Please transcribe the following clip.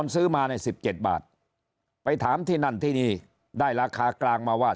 ซื้อมาใน๑๗บาทไปถามที่นั่นที่นี่ได้ราคากลางมาว่า